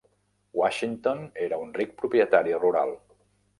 Washington era un ric propietari rural.